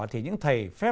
thì những thầy phép